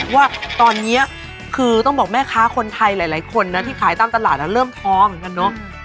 ว่าตอนนี้คือต้องบอกแม่ค้าคนไทยหลายคนนะที่ขายตามตลาดเริ่มท้องเหมือนกันเนอะ